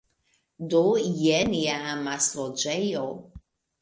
Do, jen nia amasloĝejo